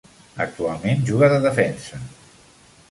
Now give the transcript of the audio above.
Actualment juga de defensa.